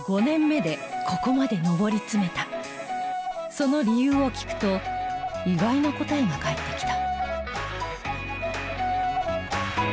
その理由を聞くと意外な答えが返ってきた。